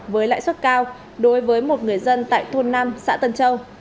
với lãi suất cao đối với một người dân tại thôn năm xã tân châu